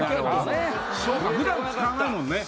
そうか普段使わないもんね。